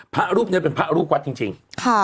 พระอรูปเนี่ยเป็นพระอรูปวัดจริง